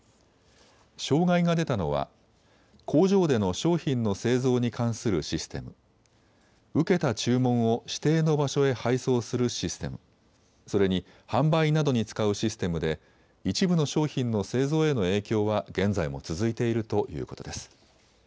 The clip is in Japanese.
障害が出たのは工場での商品の製造に関するシステム、受けた注文を指定の場所へ配送するシステム、それに販売などに使うシステムで一部の商品の製造への影響は現在も続いているということです。